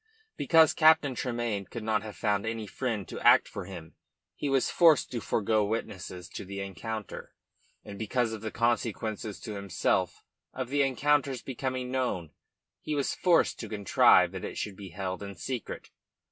Because Captain Tremayne could not have found any friend to act for him, he was forced to forgo witnesses to the encounter, and because of the consequences to himself of the encounter's becoming known, he was forced to contrive that it should be held in secret.